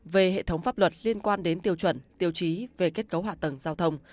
về hệ thống pháp luật liên quan đến tiêu chuẩn tiêu chí về kết cấu hạ tầng giao thông